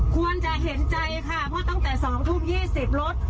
ควรจะเห็นใจค่ะเพราะตั้งแต่๒ทุ่ม๒๐รถ